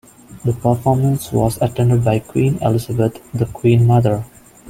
The performance was attended by Queen Elizabeth, the Queen Mother.